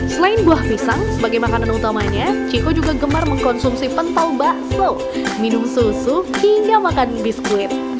selain buah pisang sebagai makanan utamanya chico juga gemar mengkonsumsi pentau bakso minum susu hingga makan biskuit